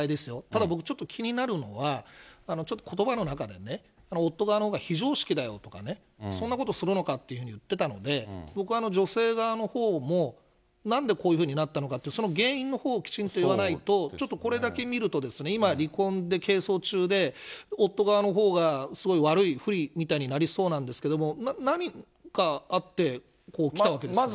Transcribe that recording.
ただ僕、ちょっと気になるのは、ちょっとことばの中でね、夫側のほうが非常識だよとかね、そんなことをするのかというふうに言ってたので、僕は女性側のほうも、なんでこういうふうになったのかって、その原因のほうをきちんと言わないと、ちょっとこれだけ見ると、今、離婚で係争中で、夫側のほうがすごい悪い、不利みたいになりそうなんですけれども、何かあって起きたわけですから。